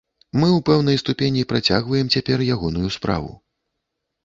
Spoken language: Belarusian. Мы ў пэўнай ступені працягваем цяпер ягоную справу.